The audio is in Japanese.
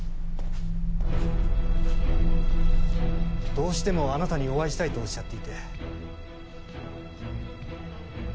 どうしてもあなたにお会いしたいとおっしゃっていて。